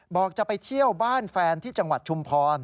บอกจะไปเที่ยวบ้านแฟนที่จังหวัดชุมพร